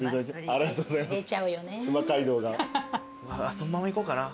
そのままいこうかな。